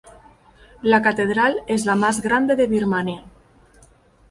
La catedral es la más grande de Birmania.